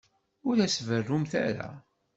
Ur as-berrumt ara.